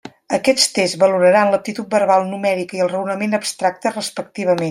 Aquests tests valoraran l'aptitud verbal, numèrica i el raonament abstracte, respectivament.